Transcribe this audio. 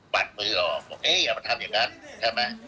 มือออกบอกเอ๊ะอย่ามาทำอย่างนั้นใช่ไหม